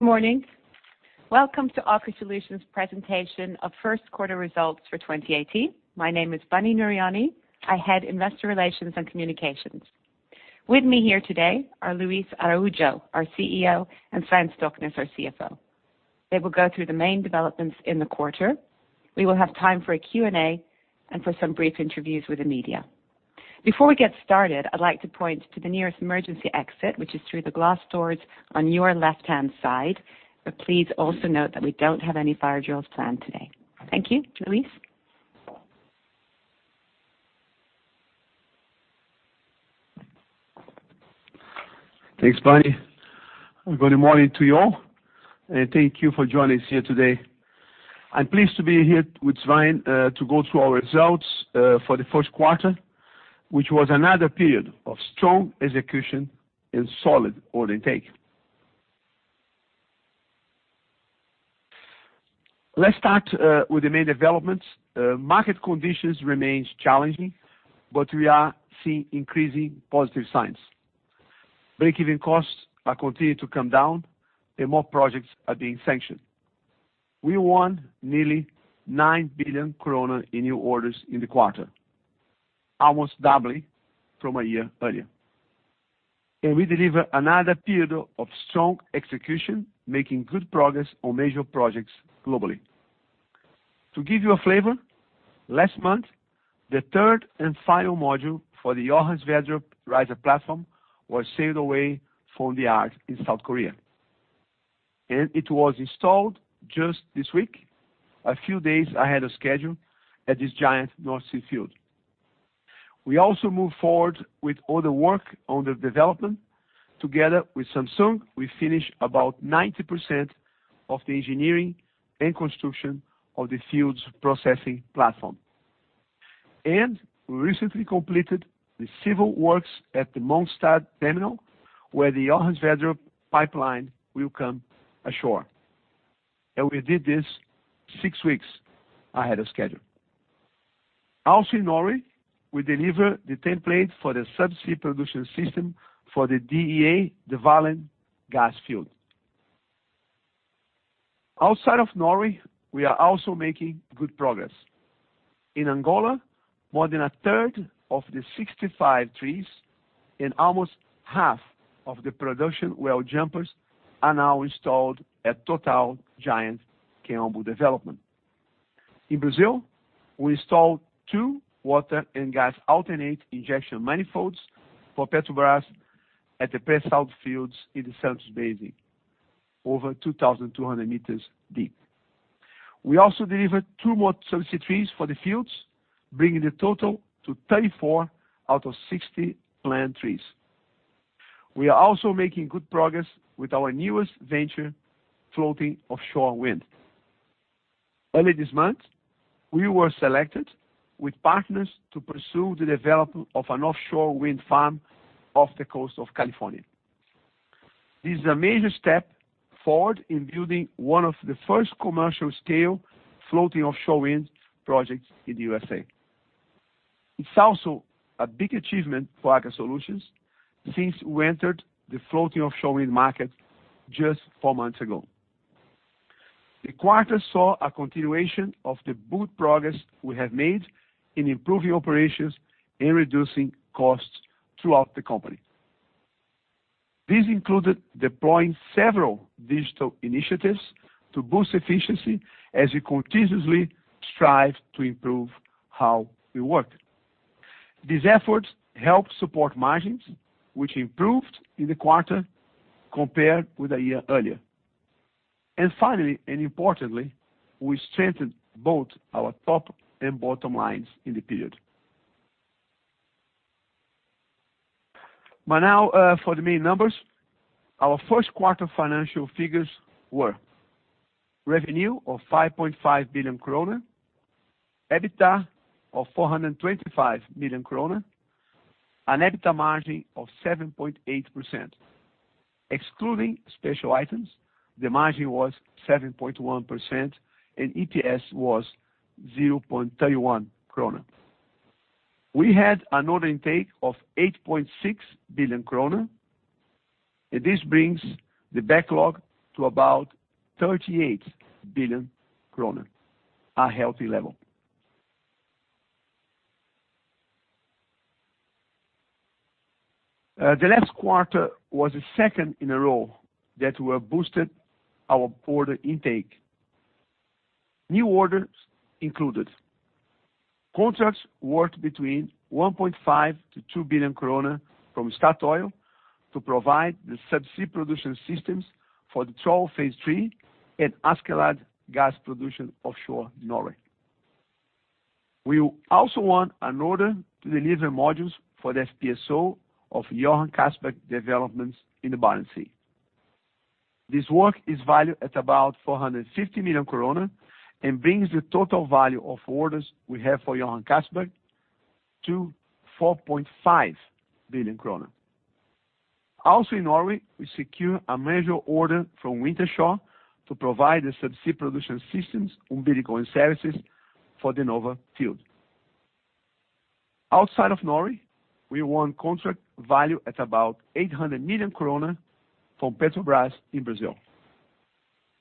Good morning. Welcome to Aker Solutions presentation of first quarter results for 2018. My name is Bunny Nooryani, I head Investor Relations and Communications. With me here today are Luis Araujo, our CEO, and Svein Stoknes, our CFO. They will go through the main developments in the quarter. We will have time for a Q&A and for some brief interviews with the media. Before we get started, I'd like to point to the nearest emergency exit which is through the glass doors on your left-hand side. Please also note that we don't have any fire drills planned today. Thank you. Luis. Thanks Bunny. Good morning to you all, thank you for joining us here today. I'm pleased to be here with Svein to go through our results for the first quarter which was another period of strong execution and solid order intake. Let's start with the main developments. Market conditions remains challenging we are seeing increasing positive signs. Breakeven costs are continuing to come down, more projects are being sanctioned. We won nearly 9 billion krone in new orders in the quarter almost doubling from a year earlier. We deliver another period of strong execution, making good progress on major projects globally. To give you a flavor, last month, the third and final module for the Johan Sverdrup riser platform was sailed away from the yard in South Korea. It was installed just this week, a few days ahead of schedule at this giant North Sea field. We also moved forward with all the work on the development. Together with Samsung, we finished about 90% of the engineering and construction of the field's processing platform. We recently completed the civil works at the Mongstad terminal where the Johan Sverdrup pipeline will come ashore. We did this six weeks ahead of schedule. Also in Norway, we deliver the template for the subsea production system for the DEA Dvalin gas field. Outside of Norway, we are also making good progress. In Angola, more than a third of the 65 trees and almost half of the production well jumpers are now installed at Total giant Kaombo development. In Brazil, we installed two water and gas alternate injection manifolds for Petrobras at the Pre-salt fields in the Santos Basin over 2,200 meters deep. We also delivered two more subsea trees for the fields, bringing the total to 34 out of 60 planned trees. We are also making good progress with our newest venture, floating offshore wind. Early this month, we were selected with partners to pursue the development of an offshore wind farm off the coast of California. This is a major step forward in building one of the first commercial-scale floating offshore wind projects in the USA. It's also a big achievement for Aker Solutions since we entered the floating offshore wind market just four months ago. The quarter saw a continuation of the good progress we have made in improving operations and reducing costs throughout the company. This included deploying several digital initiatives to boost efficiency as we continuously strive to improve how we work. These efforts helped support margins which improved in the quarter compared with a year earlier. Finally, and importantly, we strengthened both our top and bottom lines in the period. Now, for the main numbers. Our first quarter financial figures were: revenue of 5.5 billion kroner, EBITDA of 425 million kroner, an EBITDA margin of 7.8%. Excluding special items the margin was 7.1%, and EPS was 0.31 kroner. We had an order intake of 8.6 billion kroner, and this brings the backlog to about 38 billion kroner a healthy level. The last quarter was the second in a row that we have boosted our order intake. New orders included contracts worth between 1.5 billion-2 billion kroner from Statoil to provide the subsea production systems for the Troll Phase Three and Åsgard gas production offshore Norway. We also won an order to deliver modules for the FPSO of Johan Castberg developments in the Barents Sea. This work is valued at about 450 million and brings the total value of orders we have for Johan Castberg to 4.5 billion kroner. In Norway, we secure a major order from Wintershall to provide the subsea production systems, umbilical and services for the Nova field. Outside of Norway, we won contract value at about 800 million kroner from Petrobras in Brazil.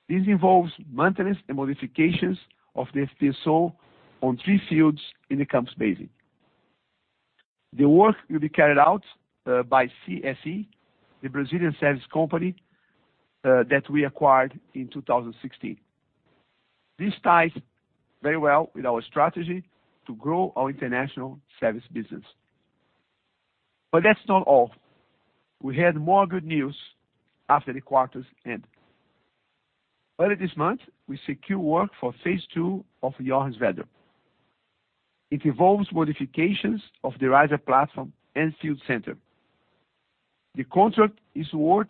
This involves maintenance and modifications of the FPSO on three fields in the Campos Basin. The work will be carried out by CSE, the Brazilian service company that we acquired in 2016. This ties very well with our strategy to grow our international service business. That's not all. We had more good news after the quarter's end. Early this month, we secured work for Phase 2 of Johan Sverdrup. It involves modifications of the riser platform and field center. The contract is worth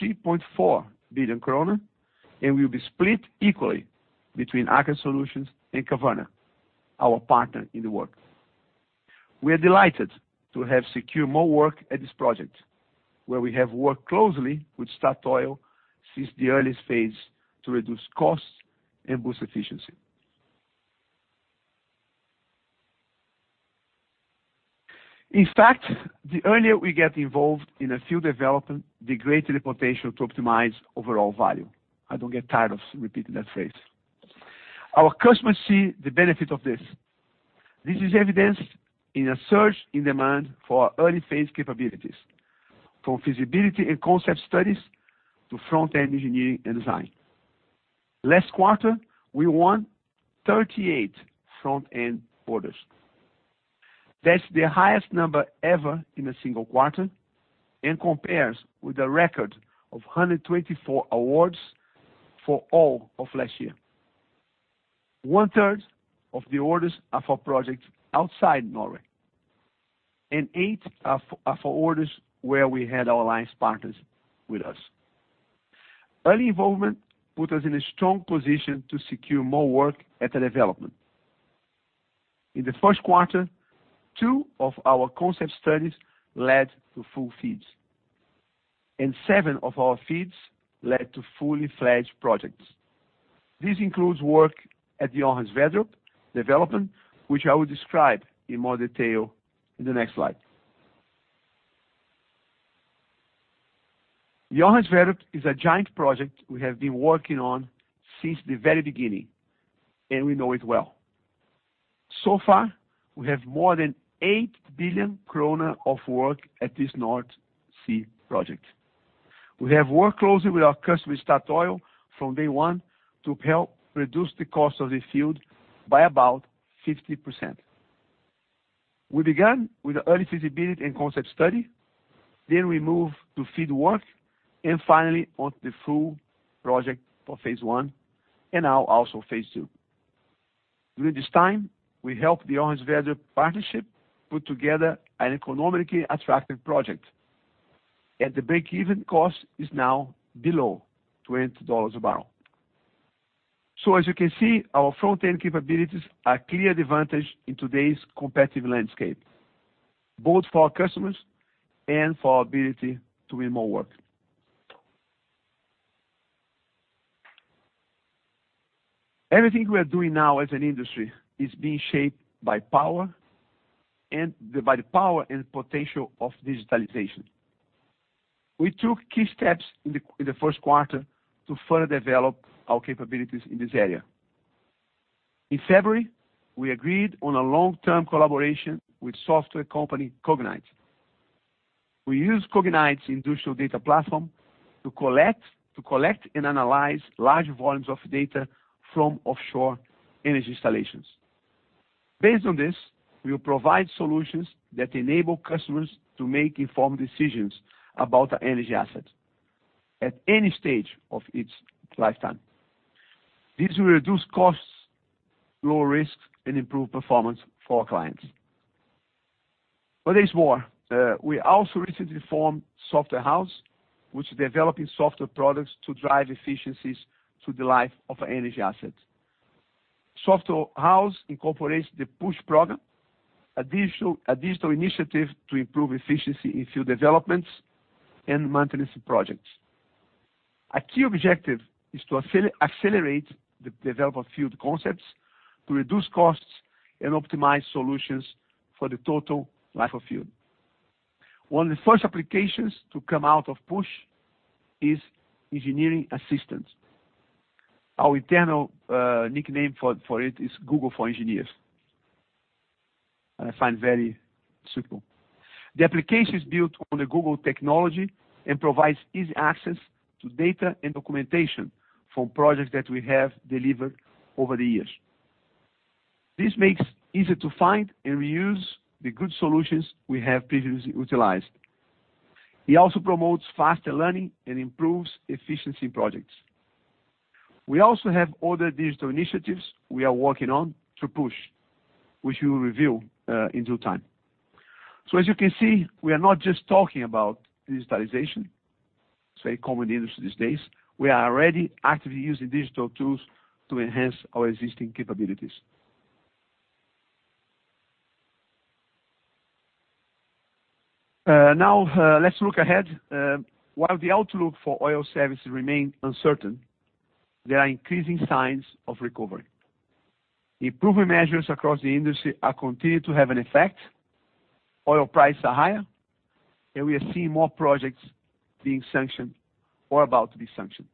3.4 billion kroner and will be split equally between Aker Solutions and Kværner, our partner in the work. We are delighted to have secured more work at this project where we have worked closely with Statoil since the early phase to reduce costs and boost efficiency. In fact, the earlier we get involved in a field development, the greater the potential to optimize overall value. I don't get tired of repeating that phrase. Our customers see the benefit of this. This is evidenced in a surge in demand for our early-phase capabilities from feasibility and concept studies to front-end engineering and design. Last quarter, we won 38 front-end orders. That's the highest number ever in a single quarter and compares with a record of 124 awards for all of last year. 1/3 of the orders are for projects outside Norway, and eight are for orders where we had our alliance partners with us. Early involvement put us in a strong position to secure more work at the development. In the first quarter, two of our concept studies led to full FEEDs, and seven of our FEEDs led to fully fledged projects. This includes work at the Johan Sverdrup development, which I will describe in more detail in the next slide. Johan Sverdrup is a giant project we have been working on since the very beginning, we know it well. Far, we have more than 8 billion kroner of work at this North Sea project. We have worked closely with our customer, Statoil, from day one to help reduce the cost of the field by about 50%. We began with an early feasibility and concept study, then we moved to FEED work, and finally onto the full project for phase one, and now also phase two. During this time, we helped the Johan Sverdrup partnership put together an economically attractive project and the break-even cost is now below $20 a barrel. As you can see, our front-end capabilities are clear advantage in today's competitive landscape, both for our customers and for our ability to win more work. Everything we are doing now as an industry is being shaped by the power and potential of digitalization. We took key steps in the first quarter to further develop our capabilities in this area. In February, we agreed on a long-term collaboration with software company Cognite. We use Cognite's industrial data platform to collect and analyze large volumes of data from offshore energy installations. Based on this, we will provide solutions that enable customers to make informed decisions about their energy assets at any stage of its lifetime. This will reduce costs, lower risks, and improve performance for our clients. There's more. We also recently formed Software House, which is developing software products to drive efficiencies through the life of our energy assets. Software House incorporates the Push program, a digital initiative to improve efficiency in field developments and maintenance projects. A key objective is to accelerate the development of field concepts to reduce costs and optimize solutions for the total life of field. One of the first applications to come out of Push is Engineering Assistant. Our internal nickname for it is Google for Engineers. I find it very suitable. The application is built on the Google technology and provides easy access to data and documentation from projects that we have delivered over the years. This makes it easy to find and reuse the good solutions we have previously utilized. It also promotes faster learning and improves efficiency in projects. We also have other digital initiatives we are working on through Push which we will reveal in due time. As you can see, we are not just talking about digitalization, so common in the industry these days. We are already actively using digital tools to enhance our existing capabilities. Now, let's look ahead. While the outlook for oil services remains uncertain, there are increasing signs of recovery. Improvement measures across the industry continue to have an effect. Oil prices are higher, and we are seeing more projects being sanctioned or about to be sanctioned.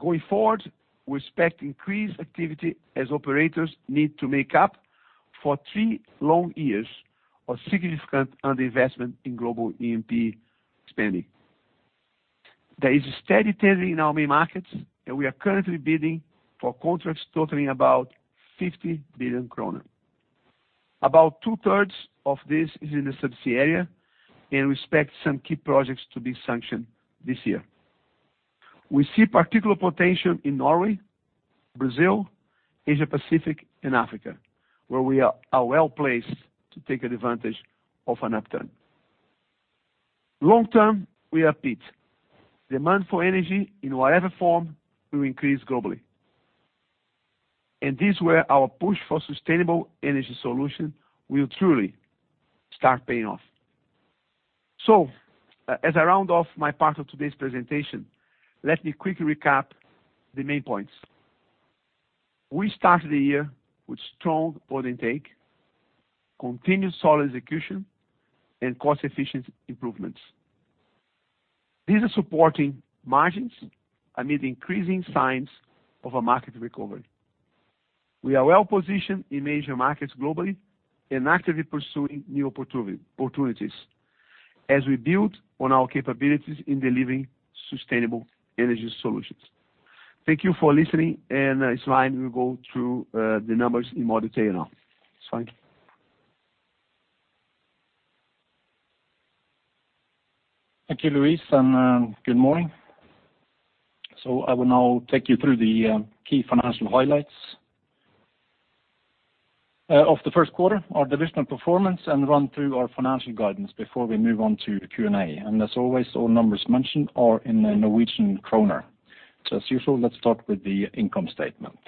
Going forward, we expect increased activity as operators need to make up for three long years of significant underinvestment in global E&P spending. There is a steady tail in our main markets and we are currently bidding for contracts totaling about 50 billion kroner. About 2/3 of this is in the subsea area and we expect some key projects to be sanctioned this year. We see particular potential in Norway, Brazil, Asia-Pacific, and Africa, where we are well-placed to take advantage of an upturn. Long term, we are beat. Demand for energy in whatever form will increase globally. This is where our Push for sustainable energy solution will truly start paying off. As I round off my part of today's presentation, let me quickly recap the main points. We started the year with strong order intake, continued solid execution, and cost-efficient improvements. These are supporting margins amid increasing signs of a market recovery. We are well-positioned in major markets globally and actively pursuing new opportunities as we build on our capabilities in delivering sustainable energy solutions. Thank you for listening. Svein will go through the numbers in more detail now. Svein? Thank you Luis and good morning. I will now take you through the key financial highlights of the first quarter, our divisional performance, and run through our financial guidance before we move on to Q&A. As always, all numbers mentioned are in the Norwegian kroner. As usual, let's start with the income statement.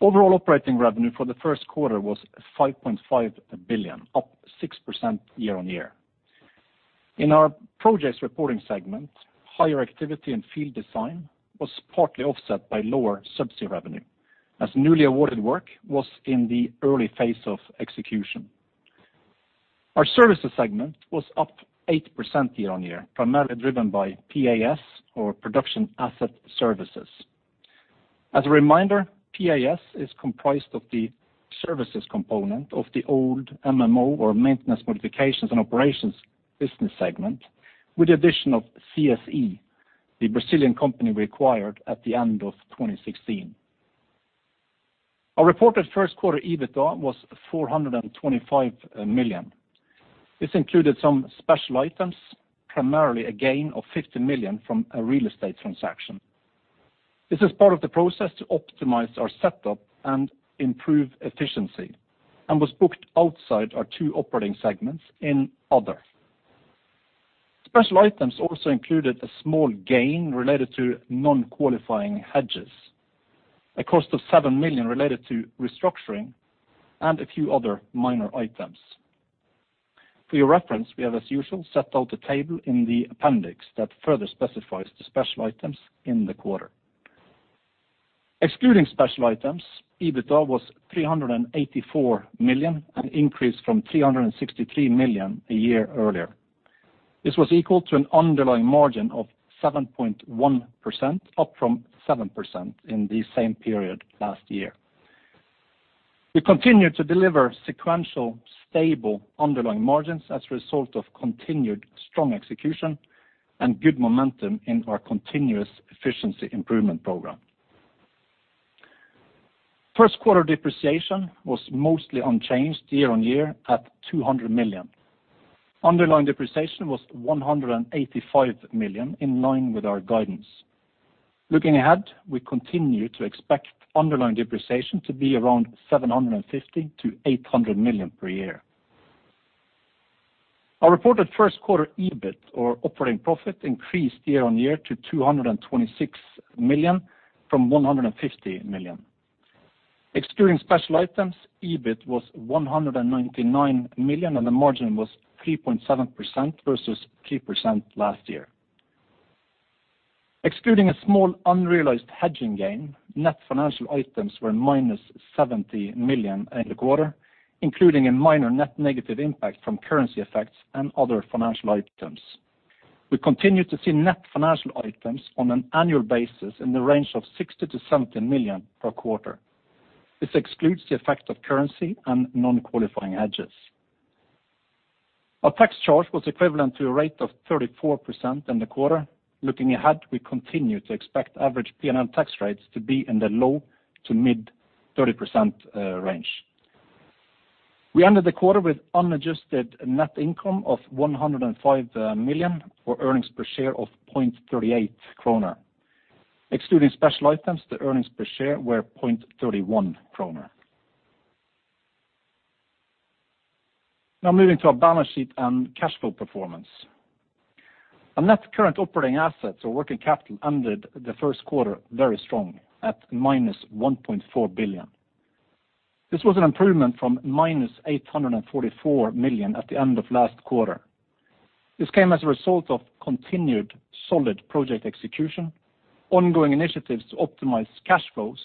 Overall operating revenue for the first quarter was 5.5 billion, up 6% year-on-year. In our projects reporting segment, higher activity in field design was partly offset by lower subsea revenue as newly awarded work was in the early phase of execution. Our services segment was up 8% year-on-year, primarily driven by PAS or Production Asset Services. As a reminder, PAS is comprised of the services component of the old MMO or Maintenance, Modifications and Operations business segment, with the addition of CSE, the Brazilian company we acquired at the end of 2016. Our reported first quarter EBITDA was 425 million. This included some special items, primarily a gain of 50 million from a real estate transaction. This is part of the process to optimize our setup and improve efficiency and was booked outside our two operating segments in other. Special items also included a small gain related to non-qualifying hedges, a cost of 7 million related to restructuring, and a few other minor items. For your reference, we have, as usual, set out a table in the appendix that further specifies the special items in the quarter. Excluding special items, EBITDA was 384 million, an increase from 363 million a year earlier. This was equal to an underlying margin of 7.1%, up from 7% in the same period last year. We continue to deliver sequential stable underlying margins as a result of continued strong execution and good momentum in our continuous efficiency improvement program. First quarter depreciation was mostly unchanged year-on-year at 200 million. Underlying depreciation was 185 million, in line with our guidance. Looking ahead, we continue to expect underlying depreciation to be around 750 million-800 million per year. Our reported first quarter EBIT or operating profit increased year-on-year to 226 million from 150 million. Excluding special items, EBIT was 199 million, and the margin was 3.7% versus 3% last year. Excluding a small unrealized hedging gain, net financial items were -70 million in the quarter, including a minor net negative impact from currency effects and other financial items. We continue to see net financial items on an annual basis in the range of 60 million-70 million per quarter. This excludes the effect of currency and non-qualifying hedges. Our tax charge was equivalent to a rate of 34% in the quarter. Looking ahead, we continue to expect average P&L tax rates to be in the low to mid 30% range. We ended the quarter with unadjusted net income of 105 million, or earnings per share of 0.38 kroner. Excluding special items, the earnings per share were 0.31 kroner. Now moving to our balance sheet and cash flow performance. Our net current operating assets or working capital ended the first quarter very strong at minus 1.4 billion. This was an improvement from minus 844 million at the end of last quarter. This came as a result of continued solid project execution, ongoing initiatives to optimize cash flows,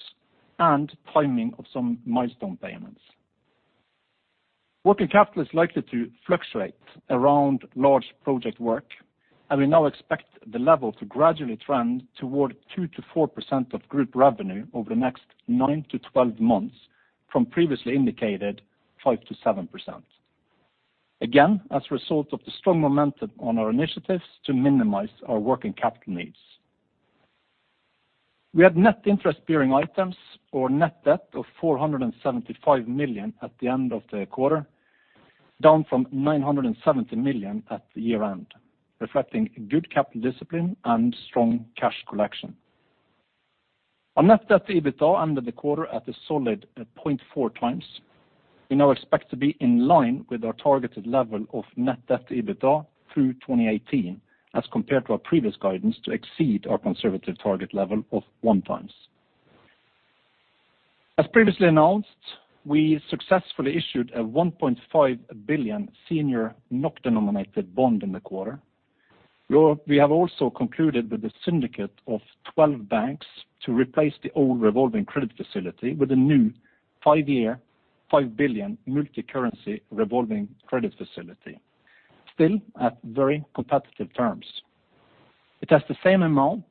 and timing of some milestone payments. Working capital is likely to fluctuate around large project work, and we now expect the level to gradually trend toward 2%-4% of group revenue over the next nine to 12 months from previously indicated 5%-7%. Again, as a result of the strong momentum on our initiatives to minimize our working capital needs. We had net interest bearing items or net debt of 475 million at the end of the quarter down from 970 million at the year-end, reflecting good capital discipline and strong cash collection. Our net debt to EBITDA under the quarter at a solid 0.4x, we now expect to be in line with our targeted level of net debt to EBITDA through 2018 as compared to our previous guidance to exceed our conservative target level of 1 times. As previously announced, we successfully issued a 1.5 billion senior NOK denominated bond in the quarter. We have also concluded with a syndicate of 12 banks to replace the old revolving credit facility with a new five-year, 5 billion multi-currency revolving credit facility, still at very competitive terms. It has the same amount,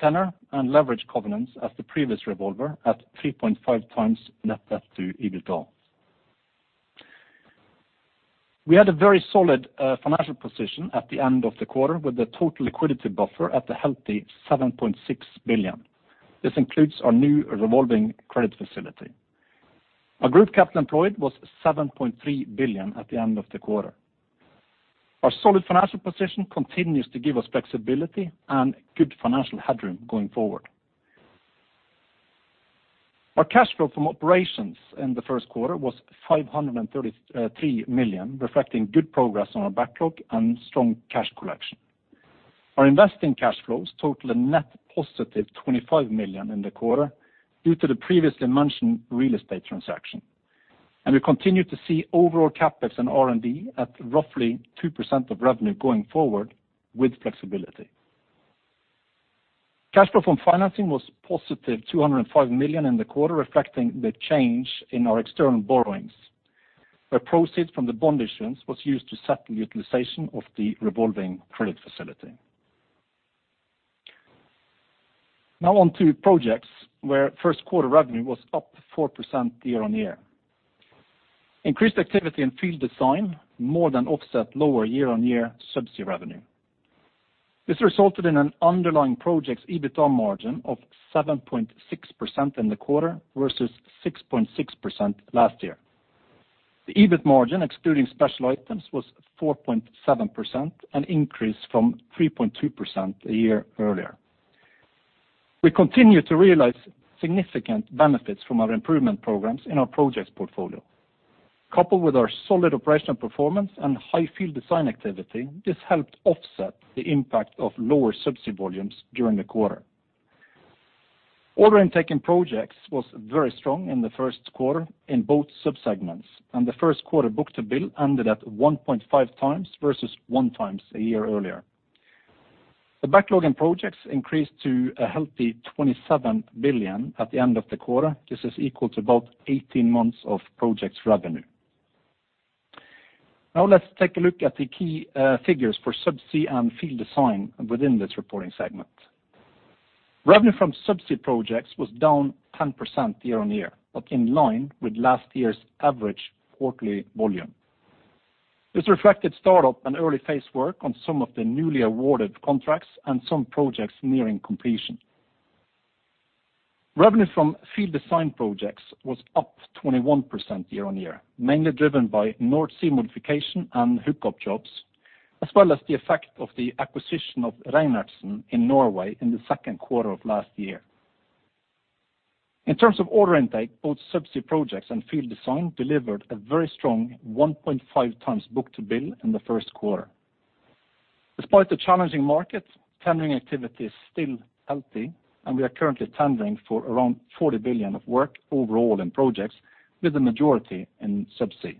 tenor, and leverage covenants as the previous revolver at 3.5x net debt to EBITDA. We had a very solid financial position at the end of the quarter with the total liquidity buffer at a healthy 7.6 billion. This includes our new revolving credit facility. Our group capital employed was 7.3 billion at the end of the quarter. Our solid financial position continues to give us flexibility and good financial headroom going forward. Our cash flow from operations in the first quarter was 533 million, reflecting good progress on our backlog and strong cash collection. Our investing cash flows total a net positive 25 million in the quarter due to the previously mentioned real estate transaction. We continue to see overall CapEx and R&D at roughly 2% of revenue going forward with flexibility. Cash flow from financing was positive 205 million in the quarter, reflecting the change in our external borrowings where proceeds from the bond issuance was used to settle utilization of the revolving credit facility. Now on to projects where first quarter revenue was up 4% year-on-year. Increased activity in field design more than offset lower year-on-year subsea revenue. This resulted in an underlying project's EBITDA margin of 7.6% in the quarter versus 6.6% last year. The EBIT margin, excluding special items was 4.7%, an increase from 3.2% a year earlier. We continue to realize significant benefits from our improvement programs in our projects portfolio. Coupled with our solid operational performance and high field design activity, this helped offset the impact of lower subsea volumes during the quarter. Order intake in projects was very strong in the first quarter in both subsegments, and the first quarter book-to-bill ended at 1.5x versus one times a year earlier. The backlog in projects increased to a healthy 27 billion at the end of the quarter. This is equal to about 18 months of projects revenue. Now let's take a look at the key figures for subsea and field design within this reporting segment. Revenue from subsea projects was down 10% year-on-year, but in line with last year's average quarterly volume. This reflected startup and early phase work on some of the newly awarded contracts and some projects nearing completion. Revenue from field design projects was up 21% year-on-year, mainly driven by North Sea modification and hookup jobs as well as the effect of the acquisition of Reinertsen in Norway in the second quarter of last year. In terms of order intake, both subsea projects and field design delivered a very strong 1.5x book-to-bill in the first quarter. Despite the challenging market, tendering activity is still healthy, and we are currently tendering for around 40 billion of work overall in projects with the majority in subsea.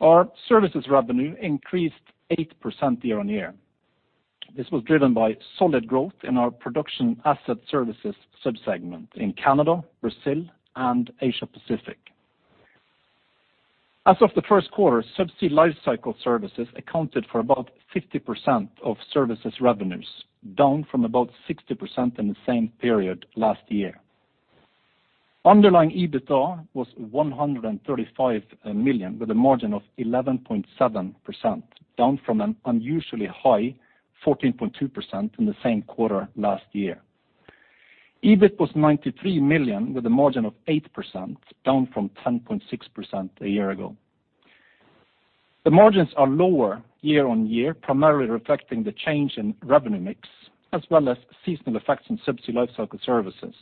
Our services revenue increased 8% year-on-year. This was driven by solid growth in our Production Asset Services subsegment in Canada, Brazil, and Asia Pacific. As of the first quarter, Subsea Lifecycle Services accounted for about 50% of services revenues, down from about 60% in the same period last year. Underlying EBITDA was 135 million with a margin of 11.7%, down from an unusually high 14.2% in the same quarter last year. EBIT was 93 million with a margin of 8%, down from 10.6% a year ago. The margins are lower year-over-year, primarily reflecting the change in revenue mix as well as seasonal effects in Subsea Lifecycle Services.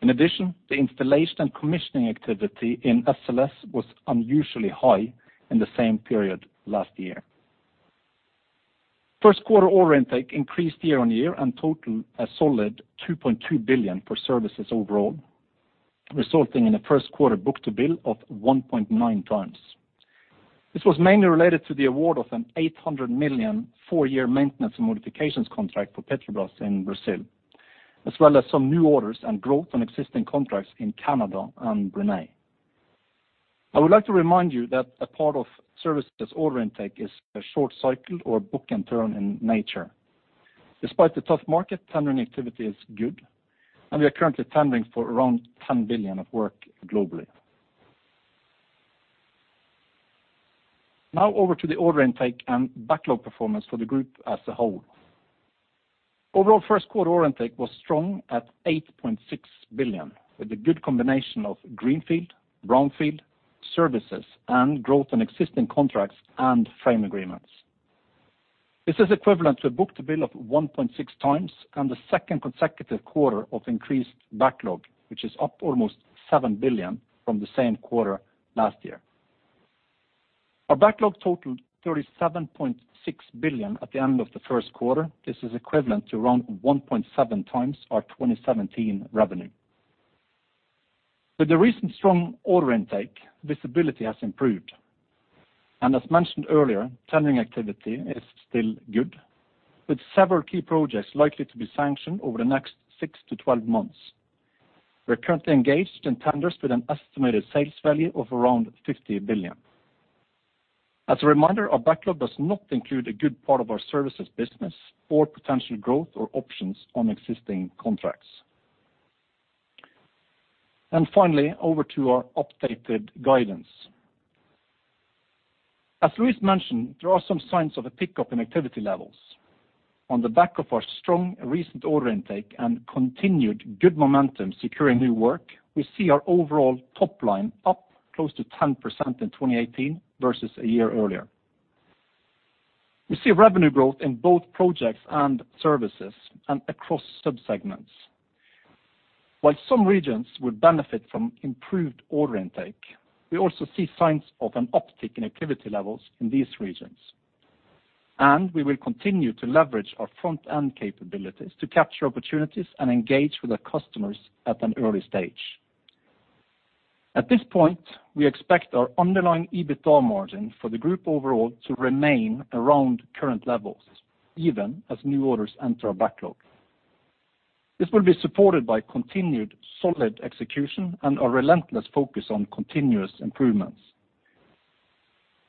In addition, the installation and commissioning activity in SLS was unusually high in the same period last year. First quarter order intake increased year-over-year and totaled a solid 2.2 billion for services overall, resulting in a first quarter book-to-bill of 1.9x. This was mainly related to the award of an 800 million four-year Maintenance, Modifications and Operations contract for Petrobras in Brazil, as well as some new orders and growth on existing contracts in Canada and Brunei. I would like to remind you that a part of services order intake is a short cycle or book-and-turn in nature. Despite the tough market, tendering activity is good and we are currently tendering for around 10 billion of work globally. Over to the order intake and backlog performance for the group as a whole. Overall, first quarter order intake was strong at 8.6 billion with a good combination of greenfield, brownfield, services and growth on existing contracts and frame agreements. This is equivalent to a book-to-bill of 1.6x and the second consecutive quarter of increased backlog which is up almost 7 billion from the same quarter last year. Our backlog totaled 37.6 billion at the end of the first quarter. This is equivalent to around 1.7x our 2017 revenue. With the recent strong order intake, visibility has improved. As mentioned earlier, tendering activity is still good, with several key projects likely to be sanctioned over the next six to 12 months. We're currently engaged in tenders with an estimated sales value of around 50 billion. As a reminder, our backlog does not include a good part of our services business or potential growth or options on existing contracts. Finally, over to our updated guidance. As Luis mentioned, there are some signs of a pickup in activity levels. On the back of our strong recent order intake and continued good momentum securing new work, we see our overall top line up close to 10% in 2018 versus a year earlier. We see revenue growth in both projects and services and across subsegments. While some regions will benefit from improved order intake, we also see signs of an uptick in activity levels in these regions. We will continue to leverage our front-end capabilities to capture opportunities and engage with our customers at an early stage. At this point, we expect our underlying EBITDA margin for the group overall to remain around current levels, even as new orders enter our backlog. This will be supported by continued solid execution and a relentless focus on continuous improvements.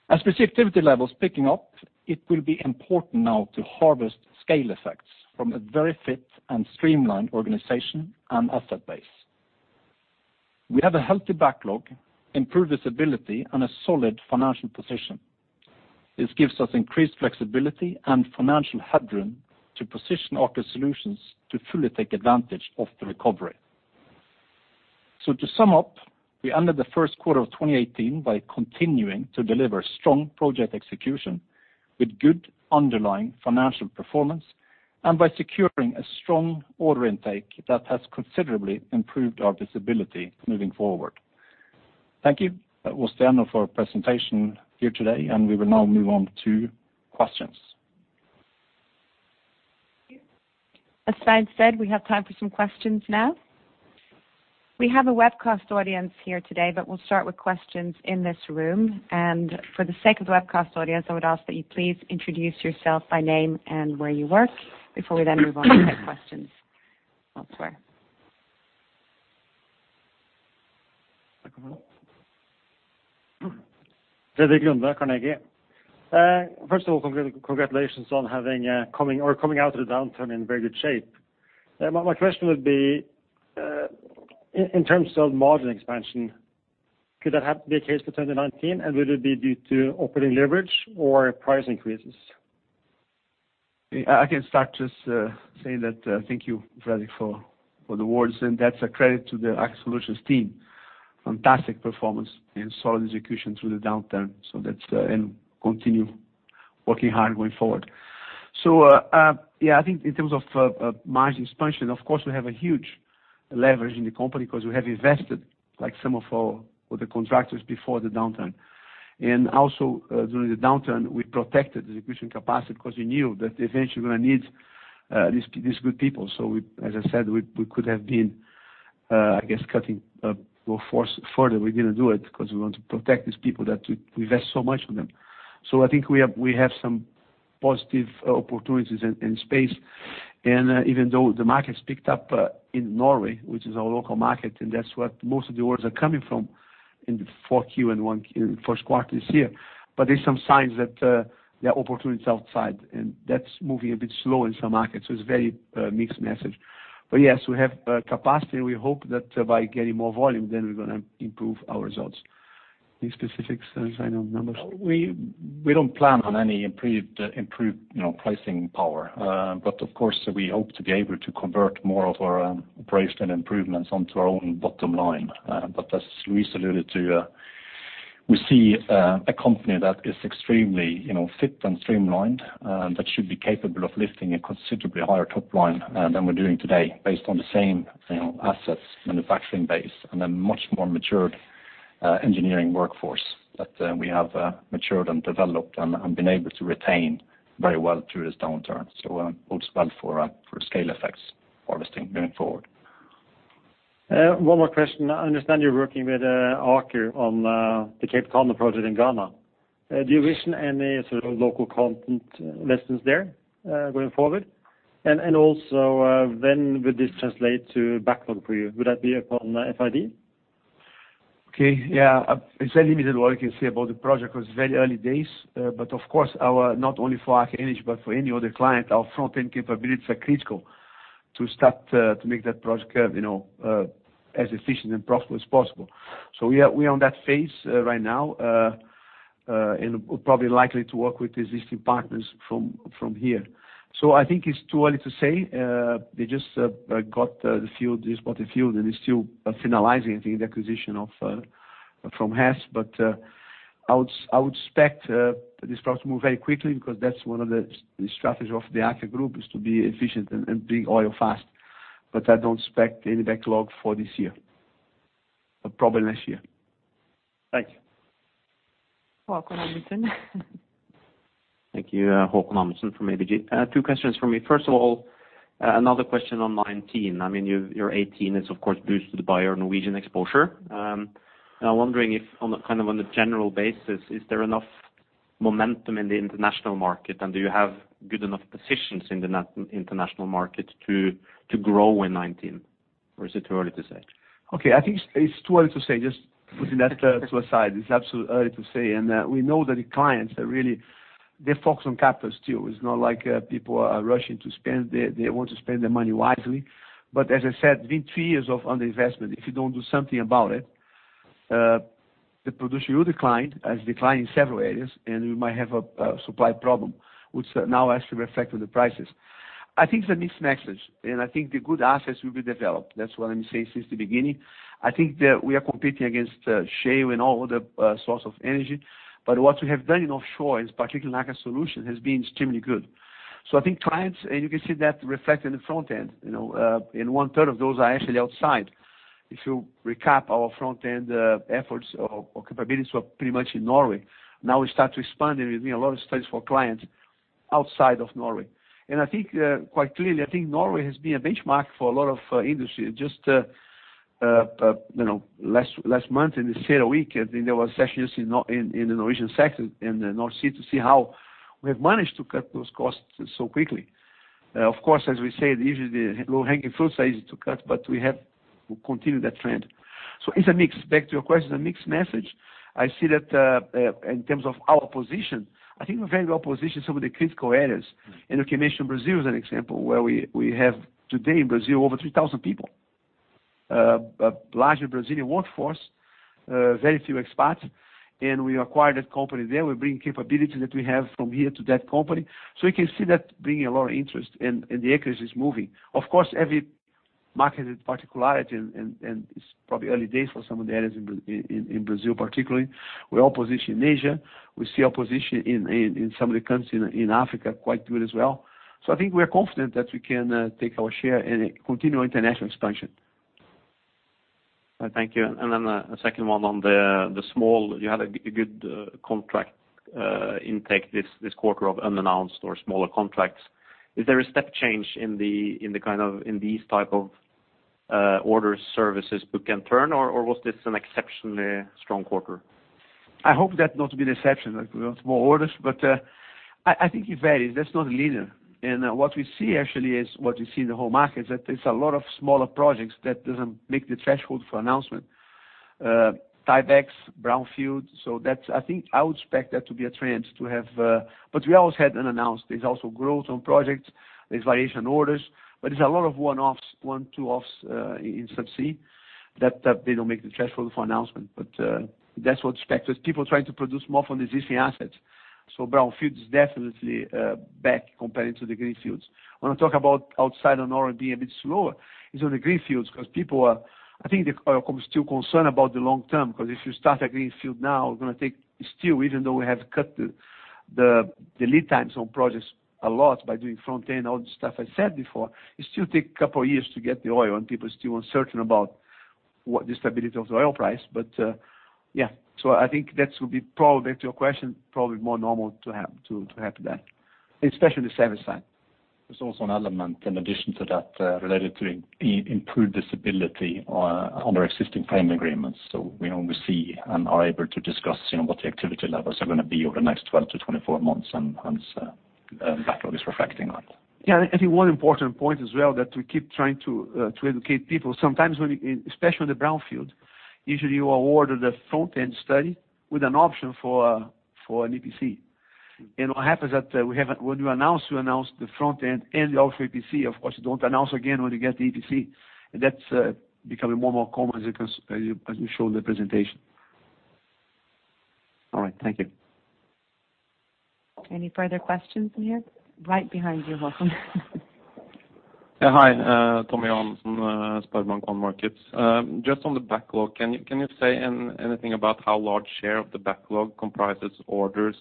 As we see activity levels picking up, it will be important now to harvest scale effects from a very fit and streamlined organization and asset base. We have a healthy backlog, improved visibility, and a solid financial position. This gives us increased flexibility and financial headroom to position Aker Solutions to fully take advantage of the recovery. To sum up, we ended the first quarter of 2018 by continuing to deliver strong project execution with good underlying financial performance and by securing a strong order intake that has considerably improved our visibility moving forward. Thank you. That was the end of our presentation here today, and we will now move on to questions. As Stein said, we have time for some questions now. We have a webcast audience here today but we'll start with questions in this room. For the sake of the webcast audience, I would ask that you please introduce yourself by name and where you work before we then move on to take questions elsewhere. Frederik Lunde, Carnegie. First of all, congratulations on having coming out of the downturn in very good shape. My question would be, in terms of margin expansion, could that have been a case for 2019? Would it be due to operating leverage or price increases? I can start just saying that thank you Frederik, for the words and that's a credit to the Aker Solutions team. Fantastic performance and solid execution through the downturn. That's, and continue working hard going forward. Yeah, I think in terms of margin expansion, of course, we have a huge leverage in the company because we have invested like some of our other contractors before the downturn. Also, during the downturn, we protected the execution capacity because we knew that eventually we're going to need these good people. We, as I said, we could have been, I guess, cutting our force further. We didn't do it because we want to protect these people that we invest so much in them. I think we have some positive opportunities in space. Even though the market's picked up in Norway which is our local market, and that's what most of the orders are coming from in the 4Q and 1Q, first quarter this year. There's some signs that there are opportunities outside and that's moving a bit slow in some markets, so it's very mixed message. Yes, we have capacity, and we hope that by getting more volume, then we're going to improve our results. Any specifics, Svein, on numbers? We don't plan on any improved, you know, pricing power. But of course, we hope to be able to convert more of our, price and improvements onto our own bottom line. But as Luis alluded to. We see a company that is extremely, you know, fit and streamlined that should be capable of lifting a considerably higher top line than we're doing today based on the same, you know, assets, manufacturing base, and a much more matured engineering workforce that we have matured and developed and been able to retain very well through this downturn. bodes well for for scale effects harvesting going forward. One more question. I understand you're working with Aker on the Cape Coast project in Ghana. Do you envision any sort of local content lessons there going forward? Also, when will this translate to backlog for you? Would that be upon FID? Okay. Yeah. It's very limited what we can say about the project 'cause it's very early days. Of course, our not only for Aker Energy but for any other client, our front-end capabilities are critical to start to make that project curve, you know, as efficient and profitable as possible. We're on that phase right now and probably likely to work with existing partners from here. I think it's too early to say. They just got the field, and it's still finalizing the acquisition of from Hess. I would expect this project to move very quickly because that's one of the strategy of the Aker Group is to be efficient and bring oil fast. I don't expect any backlog for this year. Probably next year. Thank you. Håkon Hjelmstad. Thank you. Håkon Hjelmstad from ABG. Two questions from me. First of all, another question on 2019. I mean, your 2018 is of course boosted by your Norwegian exposure. I'm wondering if on a kind of on a general basis, is there enough momentum in the international market, and do you have good enough positions in the international market to grow in 2019, or is it too early to say? Okay, I think it's too early to say, just putting that to a side. It's absolutely early to say, we know that the clients are really, they're focused on capital still. It's not like people are rushing to spend. They want to spend their money wisely. As I said, been three years of underinvestment. If you don't do something about it, the producer will decline, has declined in several areas and we might have a supply problem, which now actually reflected the prices. I think it's a mixed message, I think the good assets will be developed. That's what I'm saying since the beginning. I think that we are competing against shale and all other source of energy. What we have done in offshore, and particularly Aker Solutions, has been extremely good. I think clients, and you can see that reflected in the front end, you know, and one third of those are actually outside. If you recap our front-end efforts or capabilities were pretty much in Norway. Now we start to expand, and we're doing a lot of studies for clients outside of Norway. I think, quite clearly, I think Norway has been a benchmark for a lot of industry. Just, you know, last month in the same week, I think there was sessions in the Norwegian sector in the North Sea to see how we have managed to cut those costs so quickly. Of course, as we said, usually the low-hanging fruit is easy to cut, but we have to continue that trend. It's a mix. Back to your question, a mixed message. I see that in terms of our position, I think we're very well positioned some of the critical areas. You can mention Brazil as an example where we have today in Brazil over 3,000 people. A larger Brazilian workforce, very few expats, and we acquired a company there. We're bringing capabilities that we have from here to that company. We can see that bringing a lot of interest and the acreage is moving. Every market is particularity and it's probably early days for some of the areas in Brazil particularly. We're all positioned in Asia. We see our position in some of the countries in Africa quite good as well. I think we are confident that we can take our share and continue international expansion. Thank you. Then a second one on the small. You had a good contract intake this quarter of unannounced or smaller contracts. Is there a step change in the kind of, in these type of orders services book and turn, or was this an exceptionally strong quarter? I hope that not to be the exception, that we want more orders. I think it varies. That's not linear. What we see actually is what we see in the whole market that there's a lot of smaller projects that doesn't make the threshold for announcement. Tiebacks, brownfield, so that's, I think I would expect that to be a trend to have, but we always had unannounced. There's also growth on projects. There's variation orders, but there's a lot of one-offs, one, two-offs, in subsea that they don't make the threshold for announcement. That's what's expected. People trying to produce more from existing assets, so brownfields definitely back compared to the greenfields. When I talk about outside of Norway being a bit slower, it's on the greenfields because people are, I think they are still concerned about the long term, because if you start a greenfield now, it's going to take still, even though we have cut the, the lead times on projects a lot by doing front end, all the stuff I said before, it still take a couple of years to get the oil, and people are still uncertain about what the stability of the oil price. Yeah. I think that will be probably, back to your question, probably more normal to have, to have that, especially the service side. There's also an element in addition to that, related to improved visibility on our existing frame agreements. You know, we see and are able to discuss, you know, what the activity levels are gonna be over the next 12-24 months, and backlog is reflecting that. Yeah, I think one important point as well that we keep trying to educate people, sometimes when, especially in the brownfield, usually you award the front-end study with an option for an EPC. What happens that, when we announce, we announce the front end and the offer EPC. Of course, you don't announce again when you get the EPC. That's becoming more and more common as you can, as we show in the presentation. All right. Thank you. Any further questions in here? Right behind you, welcome. Hi, Teodor Sveen-Nilsen, SpareBank 1 Markets. Just on the backlog, can you say anything about how large share of the backlog comprises orders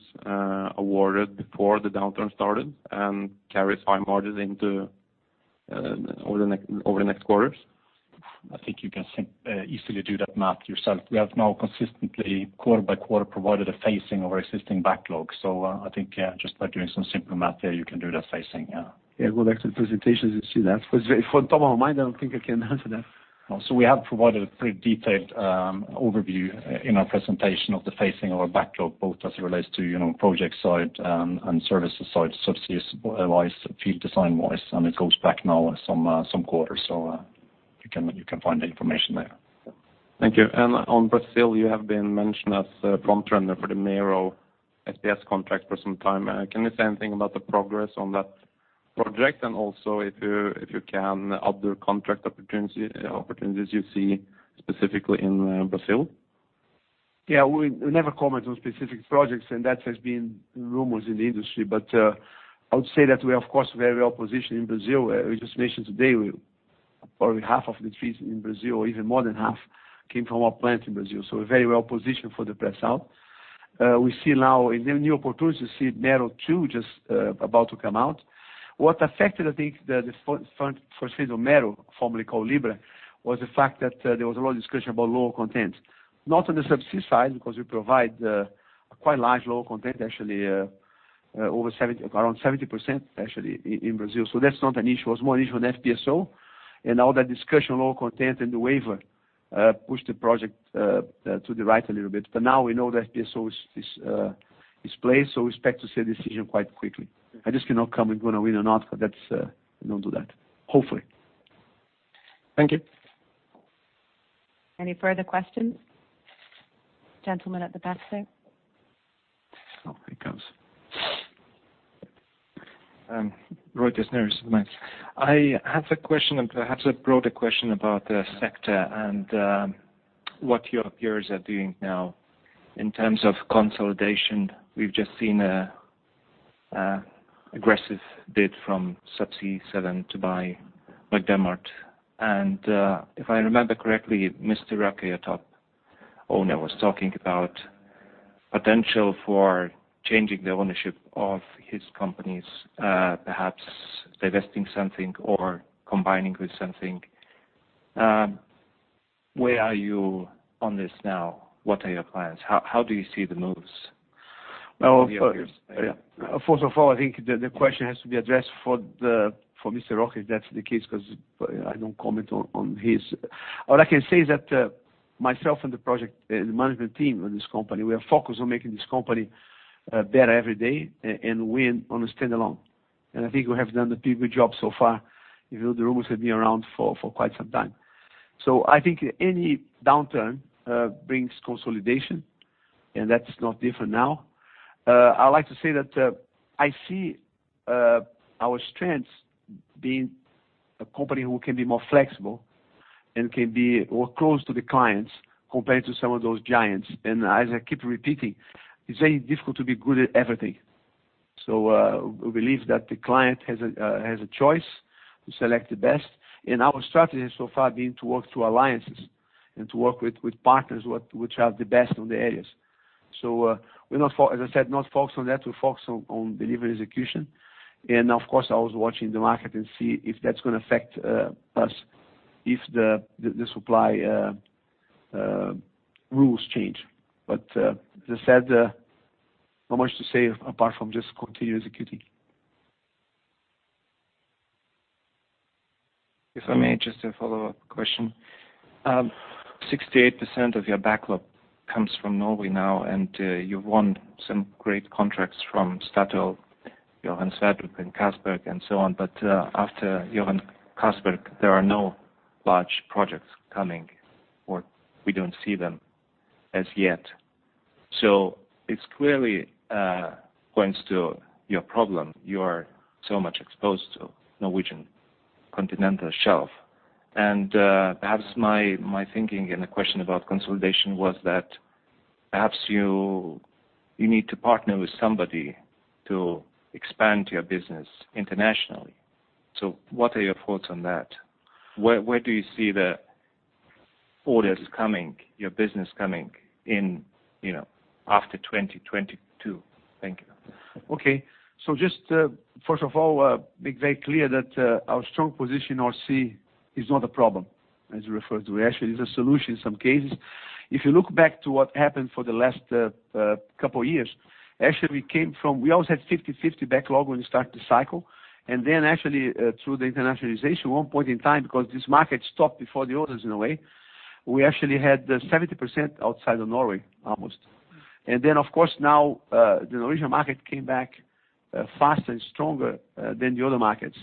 awarded before the downturn started and carries high margins into over the next quarters? I think you can easily do that math yourself. We have now consistently quarter-by-quarter provided a phasing of our existing backlog. I think, yeah, just by doing some simple math there, you can do that phasing, yeah. Yeah, go back to the presentations and see that. For the top of mind, I don't think I can answer that. We have provided a pretty detailed overview in our presentation of the phasing of our backlog, both as it relates to, you know, project side, and services side, subsea wise, field design wise, and it goes back now some quarters. You can find the information there. Thank you. On Brazil, you have been mentioned as a front runner for the Mero FPS contract for some time. Can you say anything about the progress on that project? Also if you can, other contract opportunities you see specifically in Brazil? We never comment on specific projects and that has been rumors in the industry. I would say that we, of course, very well positioned in Brazil. We just mentioned today, we probably half of the trees in Brazil, even more than half, came from our plant in Brazil. We're very well positioned for the Pre-salt. We see now in the new opportunities, we see Mero 2 just about to come out. What affected, I think, the first phase of Mero, formerly called Libra, was the fact that there was a lot of discussion about lower content. Not on the subsea side, because we provide a quite large lower content, actually, over 70%, around 70% actually in Brazil. That's not an issue. It's more an issue on FPSO. All that discussion, lower content and the waiver, pushed the project to the right a little bit. Now we know that FPSO is placed, so we expect to see a decision quite quickly. I just cannot comment we're gonna win or not, but that's, we don't do that. Hopefully. Thank you. Any further questions? Gentleman at the back there. Here it comes. [inaudible] I have a question and perhaps a broader question about the sector and what your peers are doing now in terms of consolidation. We've just seen an aggressive bid from Subsea 7 to buy McDermott. If I remember correctly, Mr. Røkke, your top owner, was talking about potential for changing the ownership of his companies, perhaps divesting something or combining with something. Where are you on this now? What are your plans? How do you see the moves of your peers? First of all, I think the question has to be addressed for Mr. Røkke, if that's the case, 'cause I don't comment on his. All I can say is that myself and the project, the management team of this company, we are focused on making this company better every day and win on a standalone. I think we have done a pretty good job so far, even though the rumors have been around for quite some time. I think any downturn brings consolidation, and that's not different now. I like to say that I see our strengths being a company who can be more flexible and can be more close to the clients compared to some of those giants. As I keep repeating, it's very difficult to be good at everything. We believe that the client has a choice to select the best. Our strategy has so far been to work through alliances and to work with partners which are the best on the areas. We're not as I said, not focused on that. We're focused on delivering execution. Of course, I was watching the market and see if that's gonna affect us if the supply rules change. As I said, not much to say apart from just continue executing. If I may, just a follow-up question. 68% of your backlog comes from Norway now, you've won some great contracts from Statoil, Johan Sverdrup and Castberg and so on. After Johan Castberg, there are no large projects coming, or we don't see them as yet. It's clearly points to your problem. You are so much exposed to Norwegian continental shelf. Perhaps my thinking and the question about consolidation was that perhaps you need to partner with somebody to expand your business internationally. What are your thoughts on that? Where do you see the orders coming, your business coming in, you know, after 2022? Thank you. Okay. Just, first of all, be very clear that our strong position on sea is not a problem, as you referred to. It's a solution in some cases. If you look back to what happened for the last couple years, actually we came from, we always had 50/50 backlog when you start the cycle. Actually, through the internationalization, one point in time, because this market stopped before the others in a way, we actually had 70% outside of Norway, almost. Of course, now, the Norwegian market came back faster and stronger than the other markets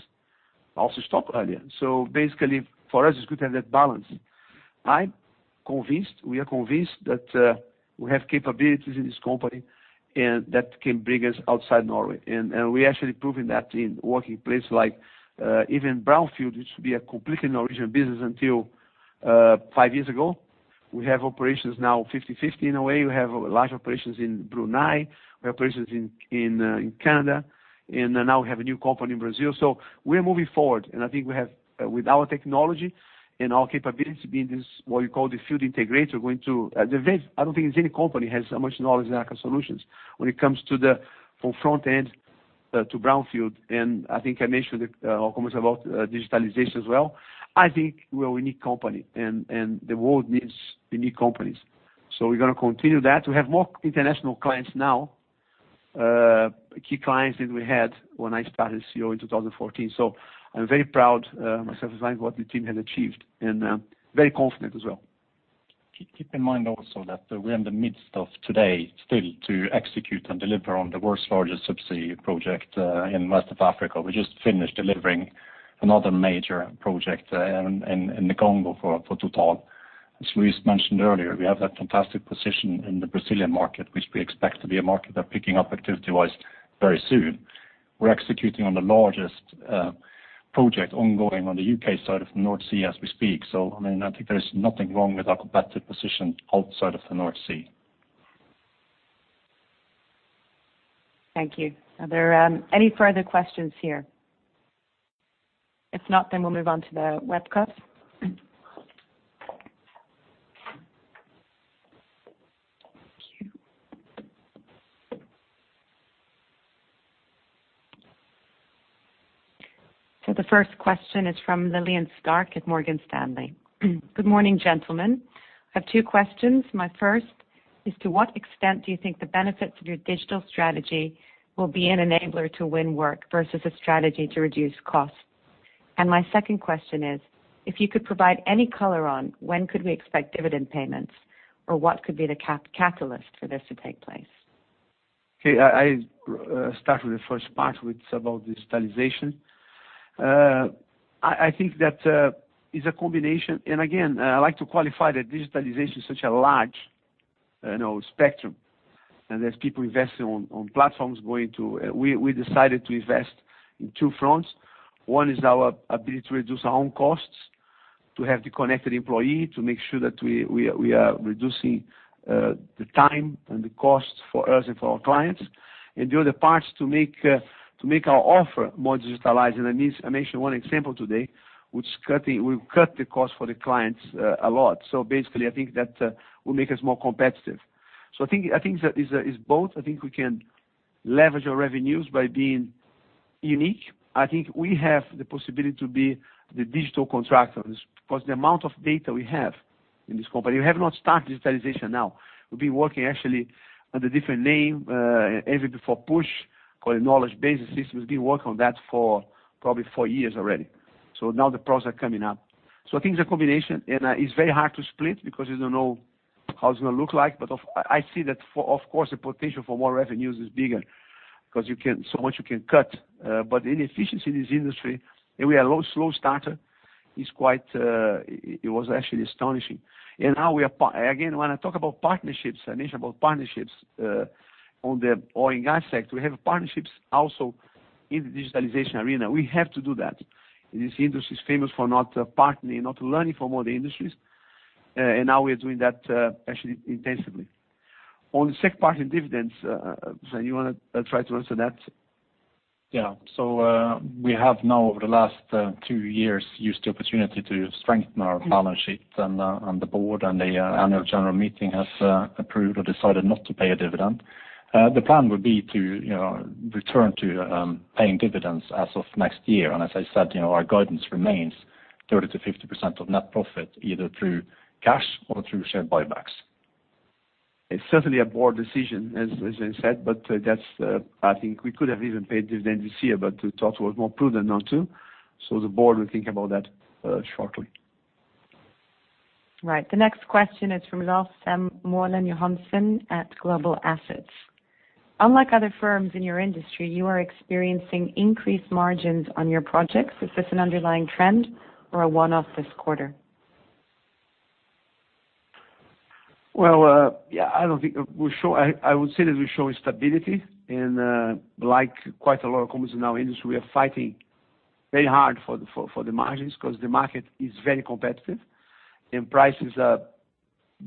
also stopped earlier. Basically, for us, it's good to have that balance. I'm convinced, we are convinced that we have capabilities in this company and that can bring us outside Norway. We're actually proving that in working places like even brownfield, which would be a completely Norwegian business until five years ago. We have operations now 50/50 in a way. We have large operations in Brunei, we have operations in Canada and now we have a new company in Brazil. We're moving forward and I think we have with our technology and our capability being this, what you call the field integrator, going to, I don't think there's any company has as much knowledge as Aker Solutions when it comes to the, from front end to brownfield. I think I mentioned it, all comments about digitalization as well. I think we're a unique company, and the world needs unique companies. We're gonna continue that. We have more international clients now, key clients than we had when I started CEO in 2014. I'm very proud, myself, as saying what the team has achieved and, very confident as well. Keep in mind also that we're in the midst of today still to execute and deliver on the world's largest subsea project in West of Africa. We just finished delivering another major project in the Congo for Total. As Luis mentioned earlier, we have that fantastic position in the Brazilian market, which we expect to be a market that picking up activity-wise very soon. We're executing on the largest project ongoing on the U.K. side of the North Sea as we speak. I mean, I think there is nothing wrong with our competitive position outside of the North Sea. Thank you. Are there any further questions here? If not, we'll move on to the webcast. Thank you. The first question is from Lillian Starke at Morgan Stanley. Good morning, gentlemen. I have two questions. My first is, to what extent do you think the benefits of your digital strategy will be an enabler to win work versus a strategy to reduce costs? My second question is, if you could provide any color on when could we expect dividend payments, or what could be the catalyst for this to take place? Okay, I start with the first part, which is about digitalization. I think that it's a combination. Again, I like to qualify that digitalization is such a large, you know, spectrum, and there's people investing on platforms, going to, we decided to invest in two fronts. One is our ability to reduce our own costs, to have the connected employee, to make sure that we are reducing the time and the cost for us and for our clients. The other part is to make our offer more digitalized. I mentioned one example today, which will cut the cost for the clients a lot. Basically, I think that will make us more competitive. I think that is both. I think we can leverage our revenues by being unique. I think we have the possibility to be the digital contractors, because the amount of data we have in this company, we have not started digitalization now. We've been working actually under a different name, even before Push, called the Knowledge Base Systems. We've been working on that for probably four years already. Now the process coming up. I think it's a combination, and it's very hard to split because you don't know how it's gonna look like. I see that for, of course, the potential for more revenues is bigger because you can, so much you can cut. The inefficiency in this industry, and we are low, slow starter, is quite, it was actually astonishing. Now we are part. When I talk about partnerships, I mentioned about partnerships, on the oil and gas sector. We have partnerships also in the digitalization arena. We have to do that. This industry is famous for not partnering not learning from other industries and now we are doing that, actually intensively. On the second part, in dividends, Svein, you wanna try to answer that? we have now over the last two years used the opportunity to strengthen our balance sheet and the board, and the annual general meeting has approved or decided not to pay a dividend. The plan would be to, you know, return to paying dividends as of next year. As I said, you know, our guidance remains 30%-50% of net profit either through cash or through share buybacks. It's certainly a board decision, as I said, but that's, I think we could have even paid dividends this year, but we thought it was more prudent not to. The board will think about that, shortly. Right. The next question is from Haakon Amundsen at Global Assets. Unlike other firms in your industry, you are experiencing increased margins on your projects. Is this an underlying trend or a one-off this quarter? Well, yeah, I don't think we show. I would say that we're showing stability and like quite a lot of companies in our industry, we are fighting very hard for the margins 'cause the market is very competitive and prices are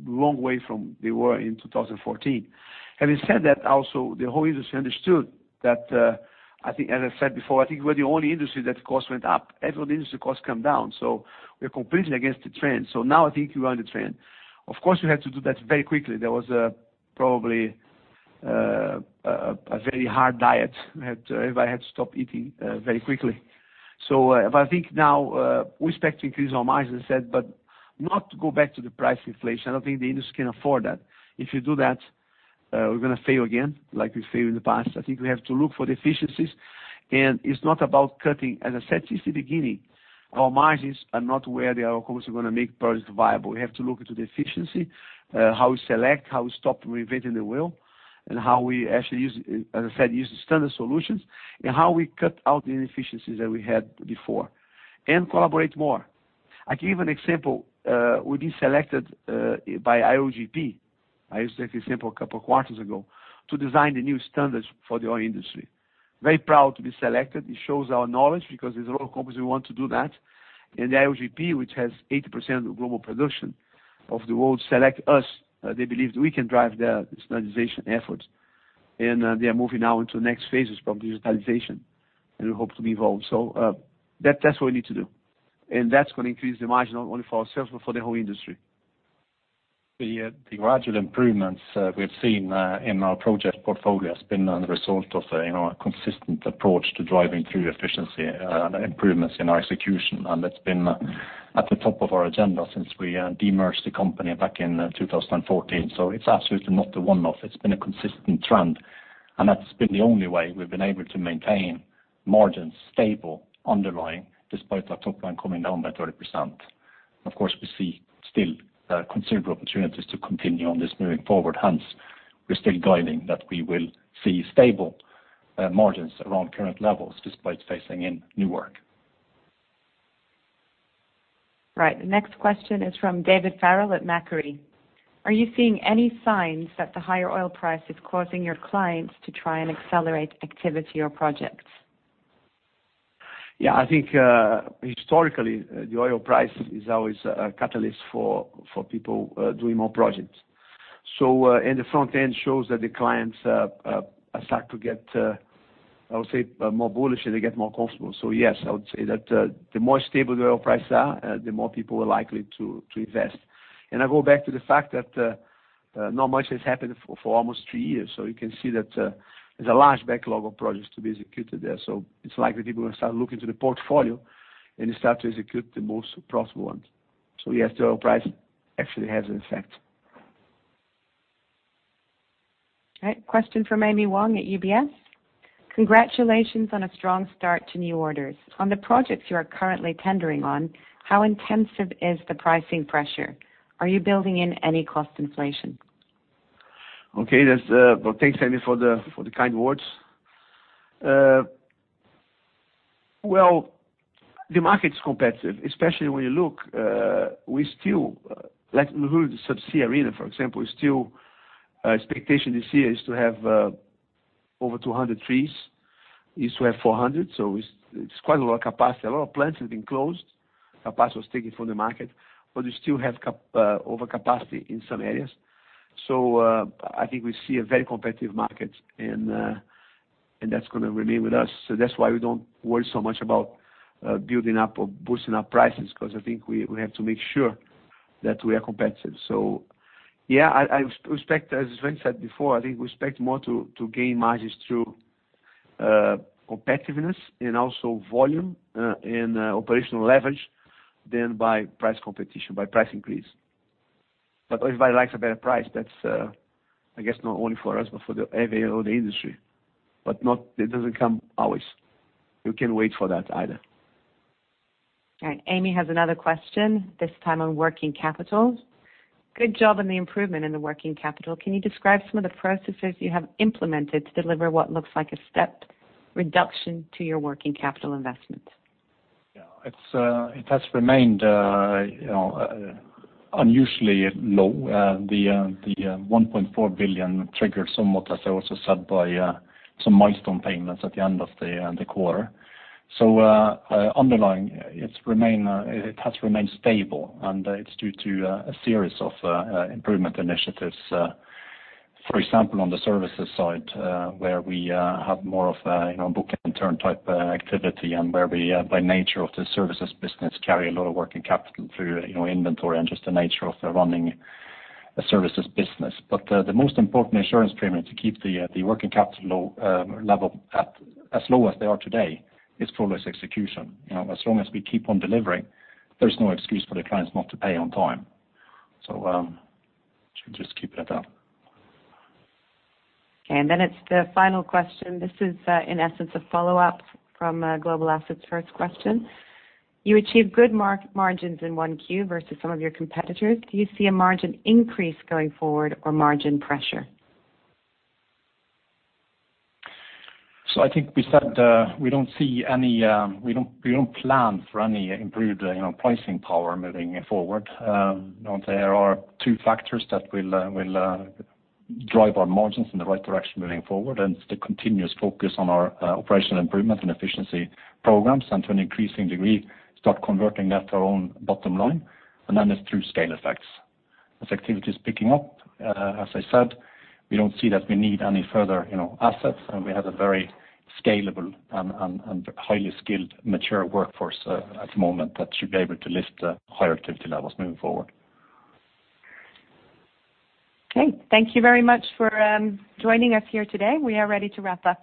long way from they were in 2014. Having said that, also, the whole industry understood that, I think as I said before, I think we're the only industry that cost went up. Every other industry cost come down, so we're completely against the trend. Now I think we are in the trend. Of course, we had to do that very quickly. There was probably a very hard diet. We had to, everybody had to stop eating very quickly. But I think now, we expect to increase our margins, as I said but not to go back to the price inflation. I don't think the industry can afford that. If you do that, we're gonna fail again like we failed in the past. I think we have to look for the efficiencies. It's not about cutting. As I said since the beginning, our margins are not where they are, of course, we're gonna make projects viable. We have to look into the efficiency, how we select, how we stop reinventing the wheel, and how we actually use, as I said, use standard solutions, and how we cut out the inefficiencies that we had before and collaborate more. I give an example. We've been selected by IOGP, I used that example a couple of quarters ago, to design the new standards for the oil industry. Very proud to be selected. It shows our knowledge because there's a lot of companies who want to do that. The IOGP which has 80% of global production of the world, select us. They believe we can drive the standardization efforts, and they are moving now into next phases from digitalization, and we hope to be involved. That's what we need to do. That's gonna increase the margin not only for ourselves, but for the whole industry. The gradual improvements we've seen in our project portfolio has been a result of a, you know, a consistent approach to driving through efficiency improvements in our execution. That's been at the top of our agenda since we de-merged the company back in 2014. It's absolutely not a one-off. It's been a consistent trend, and that's been the only way we've been able to maintain margins stable underlying despite our top line coming down by 30%. We see still considerable opportunities to continue on this moving forward. We're still guiding that we will see stable margins around current levels despite phasing in new work. The next question is from David Farrell at Macquarie. Are you seeing any signs that the higher oil price is causing your clients to try and accelerate activity or projects? Yeah, I think, historically, the oil price is always a catalyst for people doing more projects. In the front end shows that the clients start to get, I would say, more bullish and they get more comfortable. Yes, I would say that the more stable the oil prices are, the more people are likely to invest. I go back to the fact that not much has happened for almost three years. You can see that there's a large backlog of projects to be executed there. It's likely people are gonna start looking to the portfolio and start to execute the most profitable ones. Yes, the oil price actually has an effect. All right. Question from Amy Wong at UBS. Congratulations on a strong start to new orders. On the projects you are currently tendering on, how intensive is the pricing pressure? Are you building in any cost inflation? Okay, that's well, thanks, Amy, for the kind words. Well, the market's competitive, especially when you look, we still, like in the subsea arena, for example, we still, expectation this year is to have over 200 fees, used to have 400. It's quite a lot of capacity. A lot of plants have been closed, capacity was taken from the market but we still have cap overcapacity in some areas. I think we see a very competitive market and that's gonna remain with us. That's why we don't worry so much about building up or boosting our prices, 'cause I think we have to make sure that we are competitive. Yeah, I respect, as Svein said before, I think we expect more to gain margins through competitiveness and also volume and operational leverage than by price competition by price increase. Everybody likes a better price. That's, I guess not only for us, but for the every other industry, it doesn't come always. You can wait for that either. All right. Amy has another question, this time on working capital. Good job on the improvement in the working capital. Can you describe some of the processes you have implemented to deliver what looks like a step reduction to your working capital investment? It's, it has remained, you know, unusually low. The 1.4 billion triggered somewhat, as I also said, by some milestone payments at the end of the quarter. Underlying it's remain, it has remained stable, and it's due to a series of improvement initiatives, for example, on the services side, where we have more of a, you know, book and turn type activity and where we, by nature of the services business, carry a lot of working capital through, you know, inventory and just the nature of running a services business. The most important insurance premium to keep the working capital low, level at as low as they are today is flawless execution. You know, as long as we keep on delivering, there's no excuse for the clients not to pay on time. Should we just keep it at that? Okay. It's the final question. This is, in essence, a follow-up from Global Asset's first question. You achieved good margins in 1Q versus some of your competitors. Do you see a margin increase going forward or margin pressure? I think we said, we don't see any, we don't plan for any improved, you know, pricing power moving forward. You know, there are two factors that will drive our margins in the right direction moving forward, and it's the continuous focus on our operational improvement and efficiency programs, and to an increasing degree, start converting that to our own bottom line. Then it's through scale effects. As activity is picking up, as I said, we don't see that we need any further, you know, assets, and we have a very scalable and highly skilled, mature workforce at the moment that should be able to lift the higher activity levels moving forward. Okay. Thank you very much for joining us here today. We are ready to wrap up.